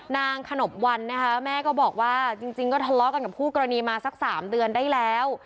ขนบวันนะคะแม่ก็บอกว่าจริงก็ทะเลาะกันกับคู่กรณีมาสัก๓เดือนได้แล้ว